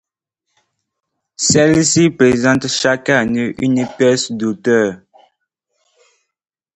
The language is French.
Celle-ci présente chaque année une pièce d'auteur.